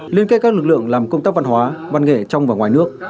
liên kết các lực lượng làm công tác văn hóa văn nghệ trong và ngoài nước